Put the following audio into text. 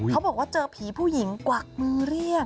เขาบอกว่าเจอผีผู้หญิงกวักมือเรียก